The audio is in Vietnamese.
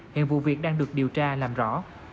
hiện vụ việc đang được điều tra làm rõ